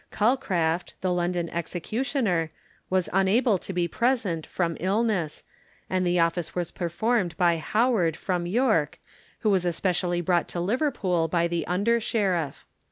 Calcraft, the London executioner, was unable to be present from illness, and the office was performed by Howard, from York, who was especially brought to Liverpool by the Under Sheriff.